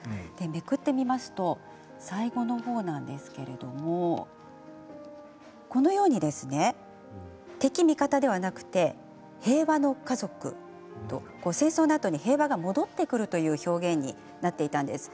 めくってみますと最後の方なんですけれどもこのように、敵、味方ではなくて平和の家族、戦争のあとに平和が戻ってくるという表現になっていたんです。